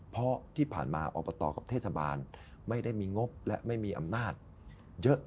เพราะที่ผ่านมาอบตกับเทศบาลไม่ได้มีงบและไม่มีอำนาจเยอะ